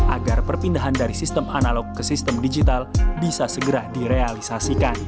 agar perpindahan dari sistem analog ke sistem digital bisa segera direalisasikan